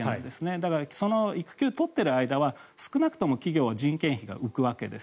だからその育休を取っている間は少なくとも企業は人件費が浮くわけです。